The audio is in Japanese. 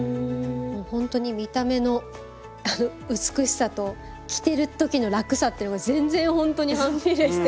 ほんとに見た目の美しさと着てる時の楽さっていうのが全然ほんとに反比例して。